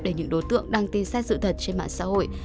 để những đối tượng đăng tin sai sự thật trên mạng xã hội